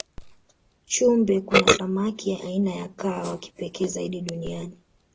chumbe kuna samaki aina ya kaa wakipekee zaidi duniani